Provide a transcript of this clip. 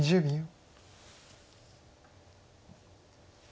１０秒。